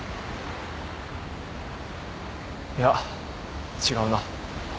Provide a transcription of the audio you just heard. いや違うな。